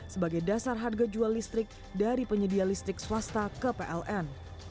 sebagai dasar harga jual listrik dari penyedia listrik swasta ke pln